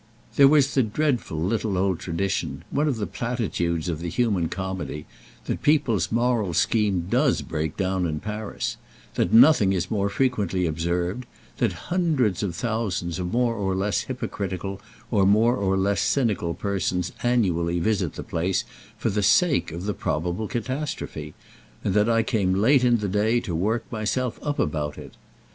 There was the dreadful little old tradition, one of the platitudes of the human comedy, that people's moral scheme does break down in Paris; that nothing is more frequently observed; that hundreds of thousands of more or less hypocritical or more or less cynical persons annually visit the place for the sake of the probable catastrophe, and that I came late in the day to work myself up about it.